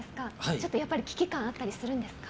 ちょっと危機感があったりするんですか？